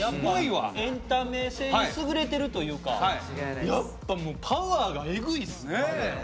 エンタメ性に優れてるというかやっぱもうパワーがエグいっすね。